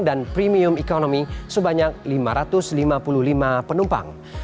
dan premium economy sebanyak lima ratus lima puluh lima penumpang